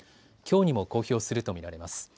きょうにも公表すると見られます。